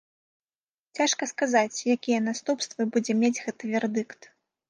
Цяжка сказаць, якія наступствы будзе мець гэты вердыкт.